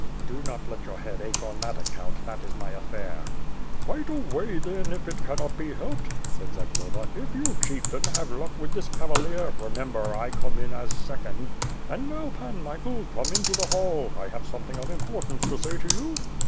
"Do not let vour head ache on that account; that is my affair." "Fight away, then, if it cannot be helped," said Zagloba. "If you, Chieftain, have luck with this cavalier, remember, I come in as second. And now. Pan Michael, come into the hall, I have something of importance to say to you."